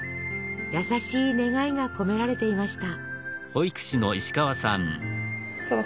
優しい願いが込められていました。